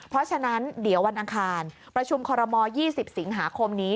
เพราะฉะนั้นเดี๋ยววันอังคารประชุมคอรมอล๒๐สิงหาคมนี้